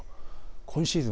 今シーズン